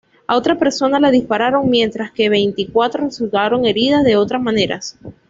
A otra persona le dispararon, mientras que veinticuatro resultaron heridas de otras maneras.